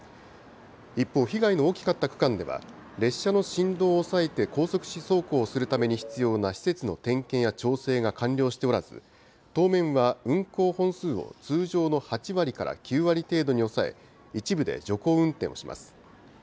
一方、被害の大きかった区間では、列車の振動を抑えて高速走行するために必要な施設の点検や調整が完了しておらず、当面は運行本数を通常の８割から９割程度に抑え、一部で徐行運転をします。